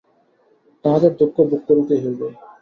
তাহাদের দুঃখ ভোগ করিতেই হইবে।